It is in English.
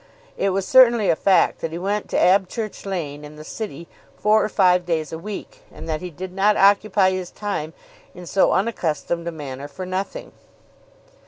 It was certainly a fact that he went to Abchurch Lane, in the City, four or five days a week, and that he did not occupy his time in so unaccustomed a manner for nothing.